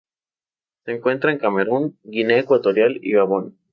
Se encuentra en Camerún, Guinea Ecuatorial y Gabón.